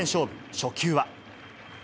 初球は。